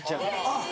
あっ。